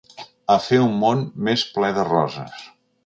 A fer un món més ple de roses.